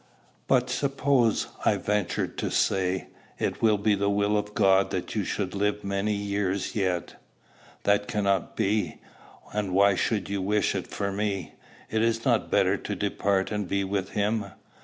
"But suppose," I ventured to say, "it were the will of God that you should live many years yet." "That cannot be. And why should you wish it for me? Is it not better to depart and be with him?